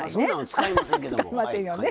使いませんよね。